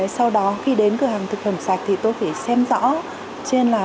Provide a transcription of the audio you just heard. sau đó khi đến cửa hàng thực phẩm sạch thì tôi phải xem ra